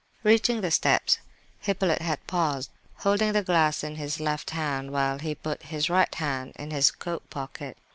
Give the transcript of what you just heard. Reaching the steps, Hippolyte had paused, holding the glass in his left hand while he put his right hand into his coat pocket.